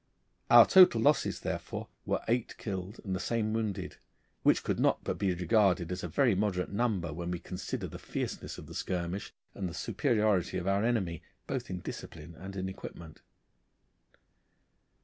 Our total losses, therefore, were eight killed and the same wounded, which could not but be regarded as a very moderate number when we consider the fierceness of the skirmish, and the superiority of our enemy both in discipline and in equipment.